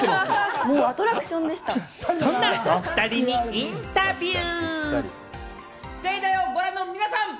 そんなおふたりにインタビュー。